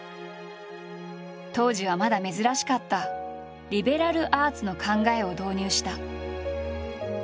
当時はまだ珍しかった「リベラルアーツ」の考えを導入した。